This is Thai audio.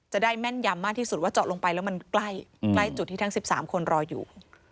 แม่นยำมากที่สุดว่าเจาะลงไปแล้วมันใกล้ใกล้จุดที่ทั้ง๑๓คนรออยู่